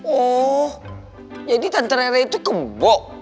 oh jadi tante reret itu kebo